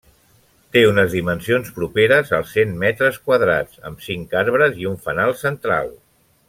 Té unes dimensions properes als cent metres quadrats, amb cinc arbres i un fanal central.